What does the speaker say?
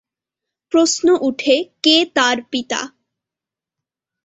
প্রশ্ন উঠে কে তার পিতা?